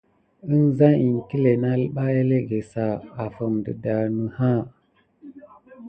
Enseŋ iŋkile nalɓa elege sa? Afime de daouna.